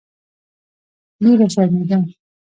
ډېره شرمېدم.